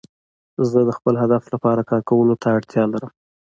زه د خپل هدف لپاره کار کولو ته اړتیا لرم.